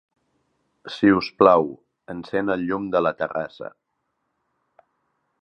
Si us plau, encén el llum de la terrassa.